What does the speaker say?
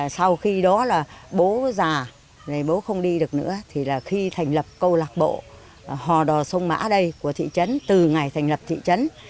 sau khi đó là bố già bố không đi được nữa thì là khi thành lập câu lạc bộ hò đò sông mã đây của thị trấn từ ngày thành lập thị trấn